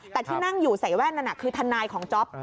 แต่ที่นั่งอยู่ใส่แว่นนั้นคือทนายของจ๊อป